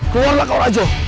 keluarlah kau raja